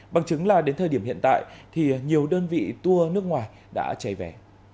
bằng chứng là đến thời điểm hiện tại thì nhiều đơn vị tour nước ngoài đã chạy về